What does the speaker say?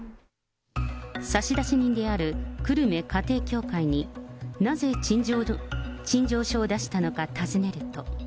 差出人である久留米家庭教会になぜ陳情書を出したのか尋ねると。